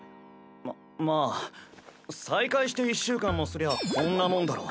ままあ再開して１週間もすりゃこんなもんだろ。